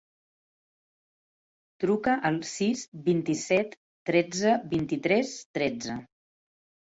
Truca al sis, vint-i-set, tretze, vint-i-tres, tretze.